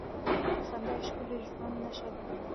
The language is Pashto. • خندا د ښکلي ژوند نښه ده.